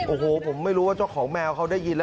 โอ้โหผมไม่รู้ว่าเจ้าของแมวเขาได้ยินแล้ว